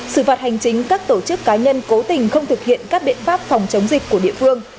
xử phạt hành chính các tổ chức cá nhân cố tình không thực hiện các biện pháp phòng chống dịch của địa phương